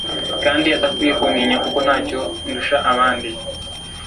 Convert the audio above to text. kandi adakwiye kuntinya kuko ntacyo ndusha abandi